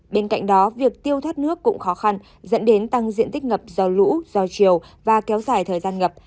bên cạnh đó việc tiêu thoát nước cũng khó khăn dẫn đến tăng diện tích ngập do lũ do chiều và kéo dài thời gian ngập